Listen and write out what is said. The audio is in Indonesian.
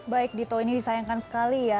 baik dito ini disayangkan sekali ya